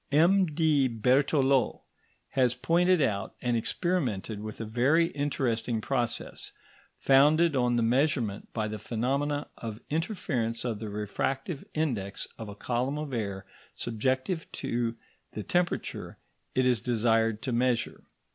M.D. Berthelot has pointed out and experimented with a very interesting process, founded on the measurement by the phenomena of interference of the refractive index of a column of air subjected to the temperature it is desired to measure.